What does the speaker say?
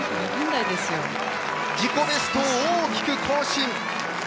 自己ベストを大きく更新。